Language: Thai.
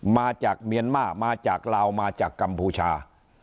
มาจากเมียนมาร์มาจากลาวมาจากกัมพูชา